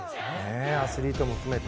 アスリートも含めて。